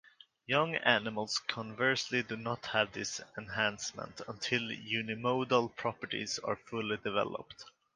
Young animals conversely, do not have this enhancement until unimodal properties are fully developed.